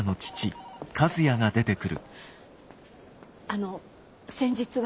あの先日は。